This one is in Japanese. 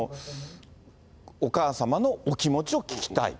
お母様のお気持ちを聞きたい。